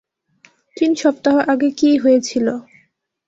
তিন সপ্তাহ আগে কি হয়েছিল?